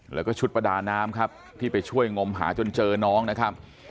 แล้วก็ชุดประดาน้ำครับที่ไปช่วยงมหาจนเจอน้องนะครับ